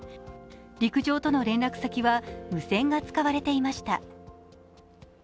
陸上との連絡先は無線が使われていました。